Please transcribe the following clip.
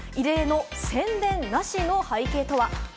異例の宣伝なしの背景とは？